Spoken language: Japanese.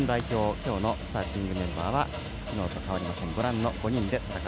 今日のスターティングメンバーは昨日と変わりません。